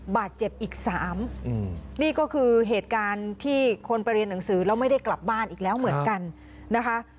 บาดเจ็บอีก๓นี่ก็คือเหตุการณ์ที่คนไปเรียนหนังสือแล้วไม่ได้กลับบ้านอีกแล้วเหมือนกันนะคะ